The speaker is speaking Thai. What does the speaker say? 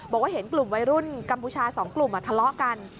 บอกว่าเห็นกลุ่มวัยรุ่นกัมพูชา๒กลุ่มทะเลาะกัน